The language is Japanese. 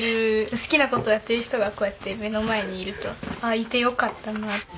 好きな事をやってる人がこうやって目の前にいるとああいてよかったな。